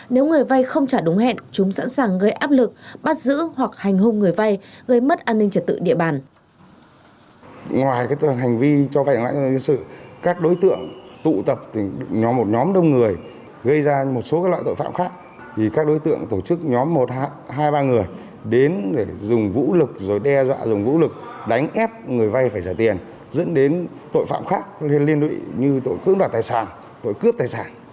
nếu người vai không trả đúng hẹn chúng sẵn sàng gây áp lực bắt giữ hoặc hành hùng người vai gây mất an ninh trật tự địa bàn